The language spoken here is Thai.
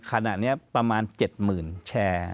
ขณะนี้ประมาณ๗หมื่นแชร์